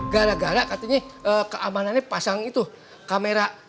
gara gara katanya keamanannya pasang itu kamera